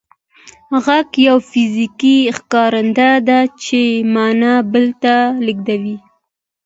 غږ یو فزیکي ښکارنده ده چې معنا بل ته لېږدوي